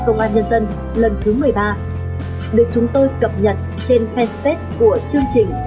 công an nhân dân lần thứ một mươi ba được chúng tôi cập nhật trên fanpage của chương trình